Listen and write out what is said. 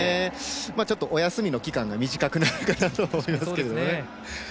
ちょっと、お休みの期間が短くなるかなと思いますが。